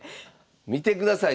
見てください